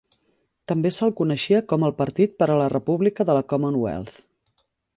També se'l coneixia com el partit per a la República de la Commonwealth.